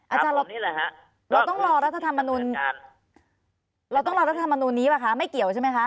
เราต้องรอรัฐธรรมนุนเราต้องรอรัฐธรรมนูลนี้ป่ะคะไม่เกี่ยวใช่ไหมคะ